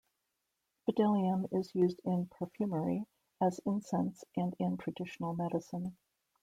Bdellium is used in perfumery, as incense and in traditional medicine.